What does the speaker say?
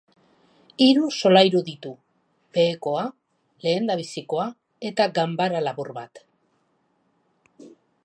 Hiru solairu ditu: behekoa, lehendabizikoa eta ganbara labur bat.